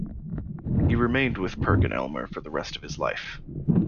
He remained with Perkin-Elmer for the rest of his life.